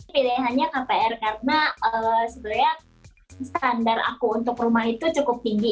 pilihannya kpr karena sebenarnya standar aku untuk rumah itu cukup tinggi